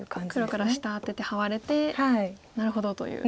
黒から下アテてハワれてなるほどという。